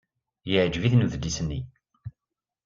Yeɛjeb-iten udlis-nni.